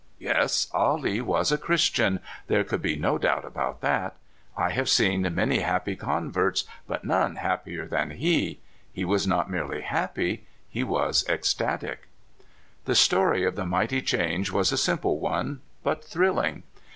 Yes, Ah Lee was a Christian ; there could be no doubt about that. I have seen many happy con verts, but none happier than he. He was not merely happy he was ecstatic. The story of the mighty change was a simple one, but thrilling.